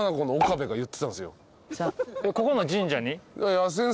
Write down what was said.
ここの神社に？